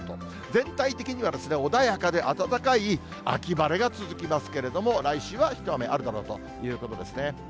全体的には、穏やかで暖かい秋晴れが続きますけれども、来週は一雨あるだろうということですね。